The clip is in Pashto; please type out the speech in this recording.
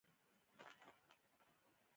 چې څنګه صنعت جوړ کړو.